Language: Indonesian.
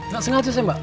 gak sengaja sih mbak